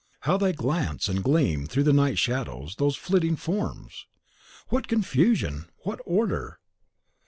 How they glance and gleam through the night shadows, those flitting forms! What confusion! what order!